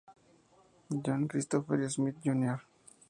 John Christopher Smith Jr.